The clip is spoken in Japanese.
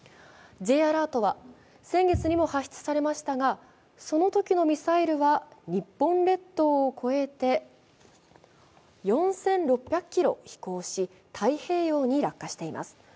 Ｊアラートは先月にも発出されましたが、そのときのミサイルは日本列島を越えて４６００ｋｍ飛行し太平洋に落下しています。